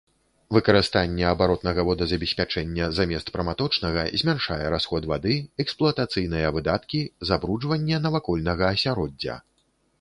Выкарыстанне абаротнага водазабеспячэння замест праматочнага змяншае расход вады, эксплуатацыйныя выдаткі, забруджванне навакольнага асяроддзя.